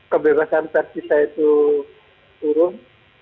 kebebasan persis itu turun